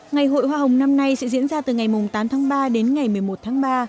ngày hội hoa hồng năm nay sẽ diễn ra từ ngày tám tháng ba đến ngày một mươi một tháng ba